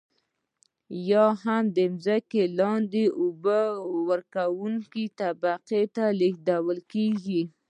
یا هم د ځمکې لاندې اوبه ورکونکې طبقې ته لیږدول کیږي.